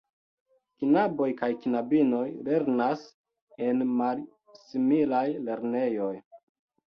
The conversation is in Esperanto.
Knaboj kaj knabinoj lernas en malsimilaj lernejoj.